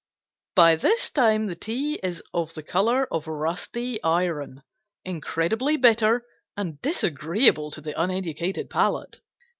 By this time the tea is of the color of rusty iron, incredibly bitter and disagreeable to the uneducated palate.